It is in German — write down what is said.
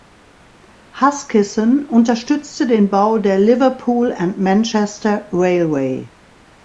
Huskisson unterstützte den Bau der Liverpool and Manchester Railway.